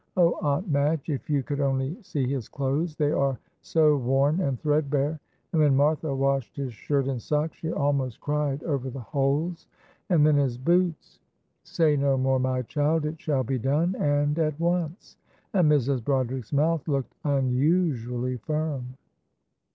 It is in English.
"Oh, Aunt Madge, if you could only see his clothes, they are so worn and threadbare, and when Martha washed his shirt and socks she almost cried over the holes; and then his boots!" "Say no more, my child, it shall be done, and at once," and Mrs. Broderick's mouth looked unusually firm.